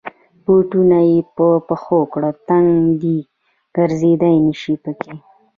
بوټونه یې په پښو کې تنګ دی. ګرځېدای نشی پکې.